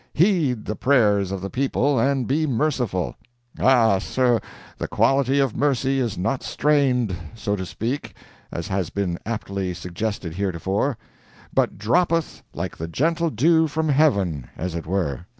Heed the prayers of the people and be merciful! Ah, sir, the quality of mercy is not strained, so to speak (as has been aptly suggested heretofore), but droppeth like the gentle dew from Heaven, as it were.